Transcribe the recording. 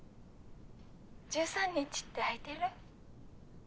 １３日って空いてる？